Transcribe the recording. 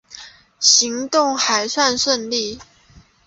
行动还算顺利